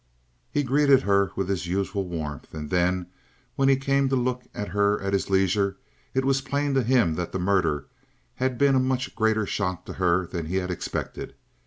He greeted her with his usual warmth, and then, when he came to look at her at his leisure, it was plain to him that the murder had been a much greater shock to her than he had expected.